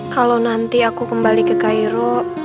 kalau nanti aku kembali ke cairo